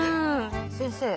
先生。